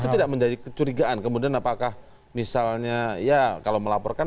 itu tidak menjadi kecurigaan kemudian apakah misalnya ya kalau melaporkan